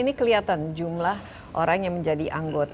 dan ini kelihatan jumlah orang yang menjadi anggota